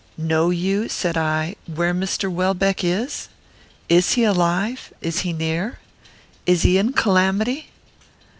"Know you," said I, "where Mr. Welbeck is? Is he alive? Is he near? Is he in calamity?"